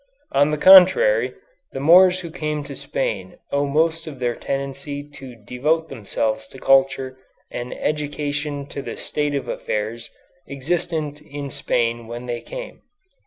On the contrary, the Moors who came to Spain owe most of their tendency to devote themselves to culture and education to the state of affairs existent in Spain when they came.